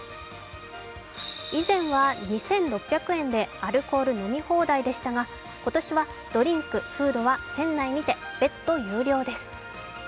以前は２６００円でアルコール飲み放題でしたが今年はドリンク、フードは船内にて別途有料です。